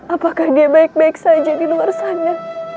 apakah dia baik baik saja di luar sana